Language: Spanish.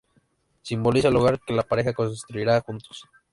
Simboliza el hogar que la pareja construirán juntos.